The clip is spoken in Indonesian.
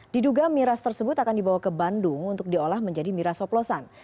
diduga miras tersebut akan dibawa ke bandung untuk diolah menjadi miras hoplosan